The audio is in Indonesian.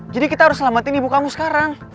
jadi kita harus selamatin ibu kamu sekarang